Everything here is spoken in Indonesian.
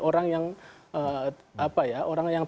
orang yang terkontaminasi